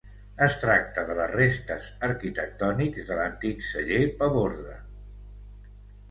Es tracta de les restes arquitectòniques de l'antic Celler Paborde.